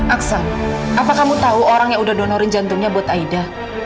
aksa apa kamu tahu orang yang udah donorin jantungnya buat aida